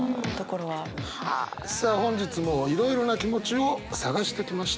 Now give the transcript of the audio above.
さあ本日もいろいろな気持ちを探してきました。